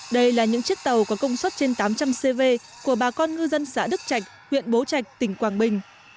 đây là những chiếc tàu có công suất trên tám trăm linh cv của bà con ngư dân xã đức trạch huyện bố trạch tỉnh quảng bình